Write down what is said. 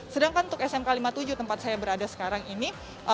sedangkan untuk smk lima puluh tujuh tempat saya berada sekarang ini